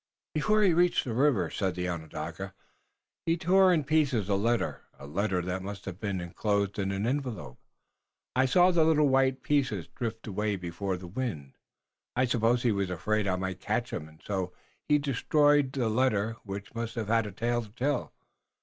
"Before he reached the river," said the Onondaga, "he tore in pieces a letter, a letter that must have been enclosed in an envelope. I saw the little white pieces drift away before the wind. I suppose he was afraid I might catch him, and so he destroyed the letter which must have had a tale to tell.